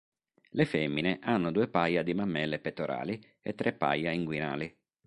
Le femmine hanno due paia di mammelle pettorali e tre paia inguinali.